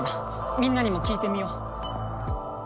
みんなにも聞いてみよう。